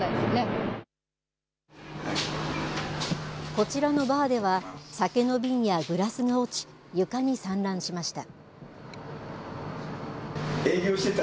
こちらのバーでは酒の瓶やグラスが落ち床に散乱しました。